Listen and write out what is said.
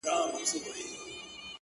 د ميني داغ ونه رسېدی ـ